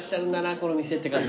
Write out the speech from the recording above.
この店って感じ。